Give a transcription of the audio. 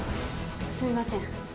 すいません。